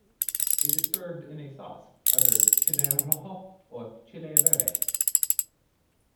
It is served in a sauce, either "chile rojo" or "chile verde".